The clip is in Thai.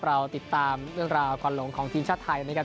เราติดตามเรื่องราวควันหลงของทีมชาติไทยนะครับ